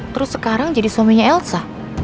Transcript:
terus sekarang jadi suaminya elsa